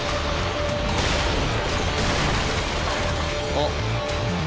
あっ。